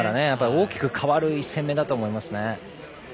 大きく変わる１戦目だと思いますね。